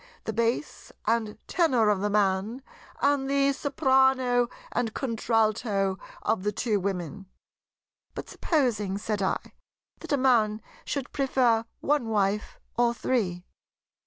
the Bass and Tenor of the Man and the Soprano and Contralto of the two Women?" "But supposing," said I, "that a man should prefer one wife or three?"